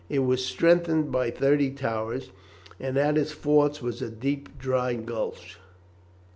It was strengthened by thirty towers, and at its forts was a deep dry ditch.